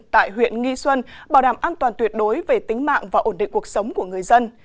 tại huyện nghi xuân bảo đảm an toàn tuyệt đối về tính mạng và ổn định cuộc sống của người dân